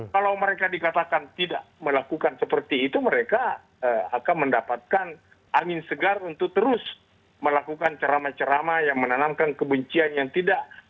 kalau mereka dikatakan tidak melakukan seperti itu mereka akan mendapatkan angin segar untuk terus melakukan ceramah ceramah yang menanamkan kebencian yang tidak